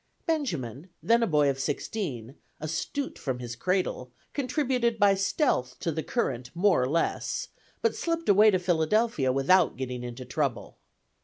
Benjamin, then a boy of sixteen, astute from his cradle, contributed by stealth to the Courant more or less; but slipped away to Philadelphia without getting into trouble.